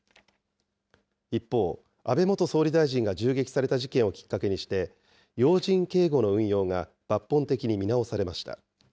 一方、安倍元総理大臣が銃撃された事件をきっかけにして、要人警護の運用が抜本的に見直されました。